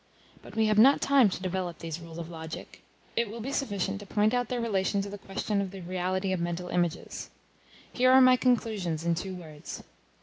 But we have not time to develop these rules of logic; it will be sufficient to point out their relation to the question of the reality of mental images. Here are my conclusions in two words.